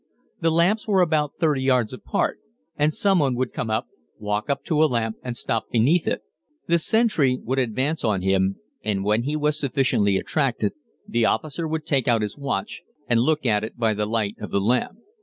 The lamps were about 30 yards apart, and someone would come up, walk up to a lamp, and stop beneath it the sentry would advance on him, and when he was sufficiently attracted, the officer would take out his watch and look at it by the light of the lamp.